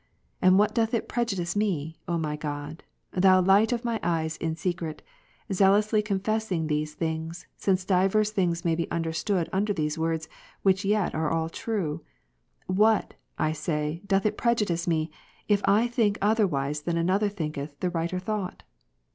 And "'' what doth it prejudice me, O my God, Thou light of my eyes in secret, zealously confessing these things, since divers things may be understood under these words which yet are all true, — what, I say, doth it prejudice me, if I think other wise than another thinketh the writer thought